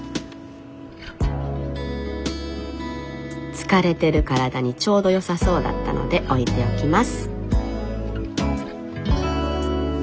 「疲れてる体にちょうどよさそうだったので置いておきます」。